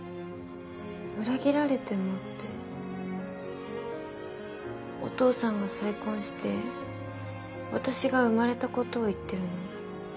「裏切られても」ってお父さんが再婚して私が生まれたことを言ってるの？